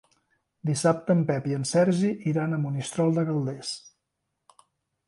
Dissabte en Pep i en Sergi iran a Monistrol de Calders.